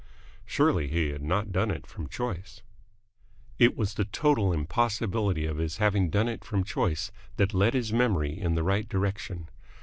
Surely he had not done it from choice. It was the total impossibility of his having done it from choice that led his memory in the right direction.